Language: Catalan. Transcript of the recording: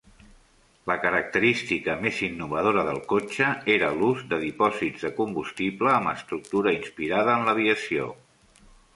La característica més innovadora del cotxe era l'ús de dipòsits de combustible amb estructura inspirada en l'aviació.